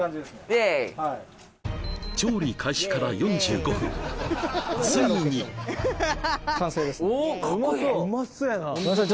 イエーイ調理開始から４５分ついにすいません